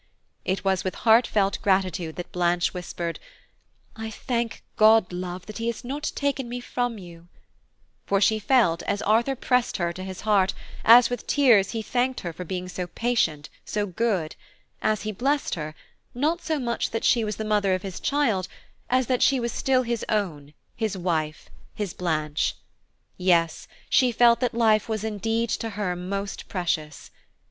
It was with heartfelt gratitude that Blanche whispered, "I thank God, love, that He has not taken me from you," for she felt, as Arthur pressed her to his heart, as with tears he thanked her for being so patient, so good–as he blessed her, not so much that she was the mother of his child, as that she was still his own, his wife, his Blanche; yes, she felt that life was indeed to her most precious.